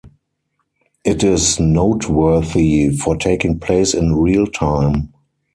It is noteworthy for taking place in real time.